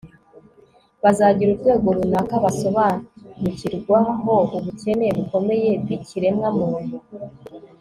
bazagira urwego runaka basobanukirwaho ubukene bukomeye bwikiremwa muntu